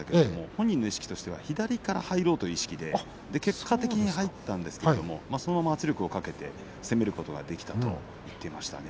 本人の意識としては左から入ろうという意識で結果的に入ったんですがそのまま圧力をかけて攻めることができたと話していました。